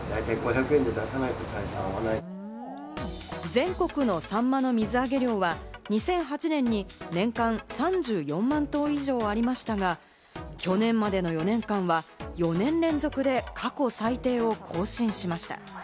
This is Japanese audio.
全国のサンマの水揚げ量は、２００８年に年間３４万トン以上ありましたが、去年までの４年間は４年連続で過去最低を更新しました。